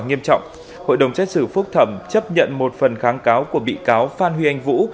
hội đồng xét xử phúc thẩm chấp nhận một phần kháng cáo của bị cáo phan huy anh vũ